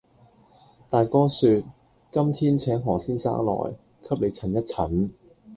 大哥説，「今天請何先生來，給你診一診。」